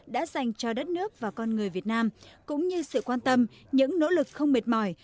đã dành cho đất nước và con người việt nam cũng như sự quan tâm những nỗ lực không mệt mỏi